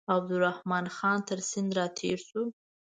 عبدالرحمن خان تر سیند را تېر شو.